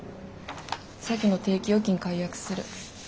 咲妃の定期預金解約する。